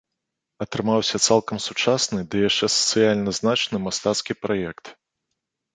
Атрымаўся цалкам сучасны ды яшчэ сацыяльна значны мастацкі праект.